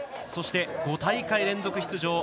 そして、５大会連続出場